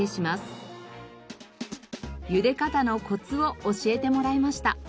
ゆで方のコツを教えてもらいました。